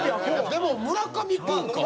でも村上ピンか。